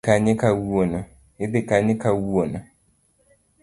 Idhi Kanye kawuono?